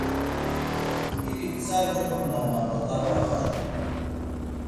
İrik tzari coxunaman do arpa xaşǩuman.